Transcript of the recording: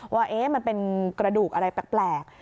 ว่ามันเป็นกระดูกอะไรแปลก